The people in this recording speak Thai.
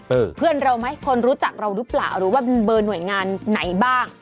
เพื่อนเราไหมคนรู้จักเราหรือเปล่าหรือว่าเป็นเบอร์หน่วยงานไหนบ้าง